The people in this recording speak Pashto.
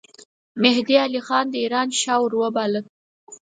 مهدي علي خان د ایران شاه وروباله.